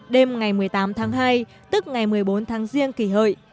đêm ngày một mươi tám tháng hai tức ngày một mươi bốn tháng riêng kỷ hợi